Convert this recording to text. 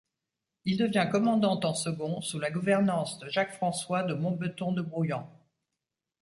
Il devient commandant en second sous la gouvernance de Jacques-François de Monbeton de Brouillan.